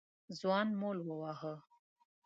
ځوان مول وواهه.